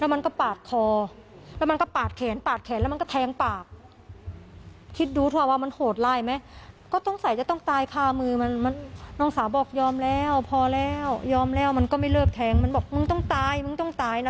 มันบอกมึงต้องตายมึงต้องตายนะ